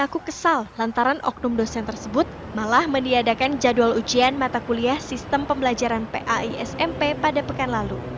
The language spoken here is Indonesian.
mengaku kesal lantaran oknum dosen tersebut malah meniadakan jadwal ujian mata kuliah sistem pembelajaran pai smp pada pekan lalu